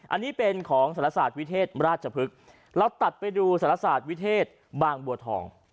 อันนี้เป็นของสารศาสตร์วิเทศราชพฤกษ์เราตัดไปดูสารศาสตร์วิเทศบางบัวทอง